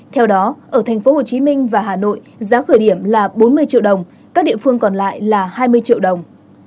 theo đó ở thành phố hồ chí minh và hà nội giá khởi điểm là bốn mươi triệu đồng các địa phương còn lại là hai mươi triệu đồng